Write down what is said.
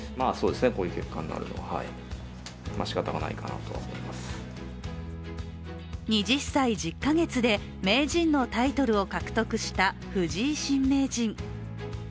対局を終えて２０歳１０か月で名人のタイトルを獲得した藤井新名人。